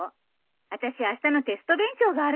あたしあしたのテスト勉強があるから。